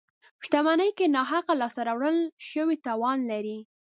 • شتمني که ناحقه لاسته راوړل شي، تاوان لري.